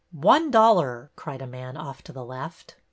" One dollar !" cried a man off to the left.